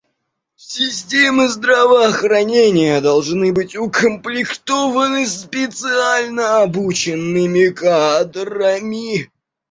Системы здравоохранения должны быть укомплектованы специально обученными кадрами.